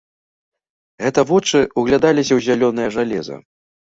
Гэта вочы ўглядаліся ў зялёнае жалеза.